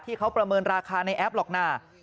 ที่เขาประเมินราคาในแอปหลอกหน้า